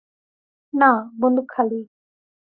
না, বন্দুক খালি।